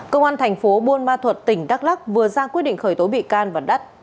công an thành phố buôn ma thuật tỉnh đắk lắc vừa ra quyết định khởi tố bị can và đắt